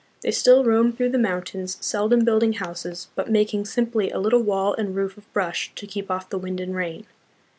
They still roam through the mountains, seldom building houses, but making simply a little wall and roof of brush to keep off the wind and rain.